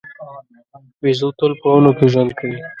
بیزو تل په ونو کې ژوند کوي.